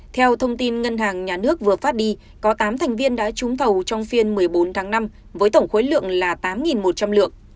theo thông tin ngân hàng nhà nước vừa phát đi có tám thành viên đã trúng thầu trong phiên một mươi bốn tháng năm với tổng khối lượng là tám một trăm linh lượng